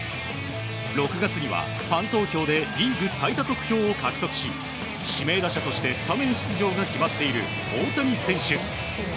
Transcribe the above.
６月には、ファン投票でリーグ最多得票を獲得し指名打者としてスタメン出場が決まっている大谷選手。